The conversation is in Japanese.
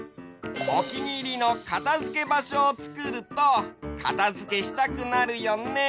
おきにいりのかたづけばしょをつくるとかたづけしたくなるよね！